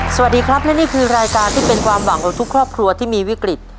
สวัสดีครับและนี่คือรายการที่เป็นความหวังของทุกครอบครัวที่มีวิกฤต